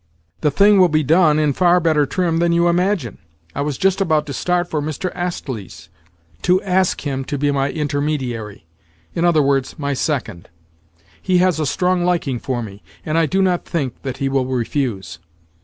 The thing will be done in far better trim than you imagine. I was just about to start for Mr. Astley's, to ask him to be my intermediary—in other words, my second. He has a strong liking for me, and I do not think that he will refuse.